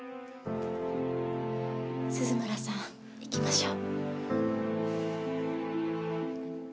鈴村さん行きましょう。